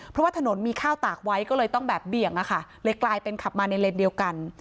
เพราะว่าถนนมีข้าวตากไว้ก็เลยต้องแบบเบี่ยงอะค่ะเลยกลายเป็นขับมาในเลนเดียวกัน